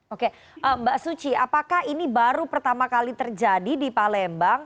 oke mbak suci apakah ini baru pertama kali terjadi di palembang